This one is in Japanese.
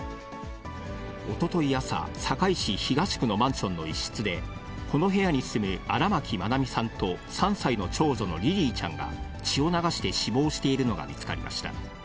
おととい朝、堺市東区のマンションの一室で、この部屋に住む荒牧愛美さんと３歳の長女のリリィちゃんが血を流して死亡しているのが見つかりました。